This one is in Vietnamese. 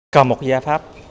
còn một gia pháp